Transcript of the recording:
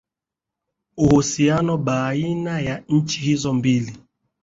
uhusiano baina ya nchi hizo mbili